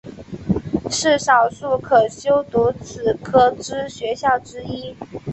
是少数可修读此科之学校之一。